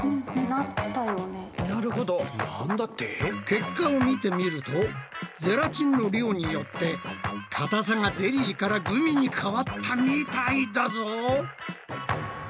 結果を見てみるとゼラチンの量によってかたさがゼリーからグミに変わったみたいだぞ。